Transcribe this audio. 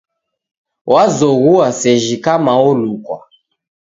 Wazoghua sejhi kama olukwa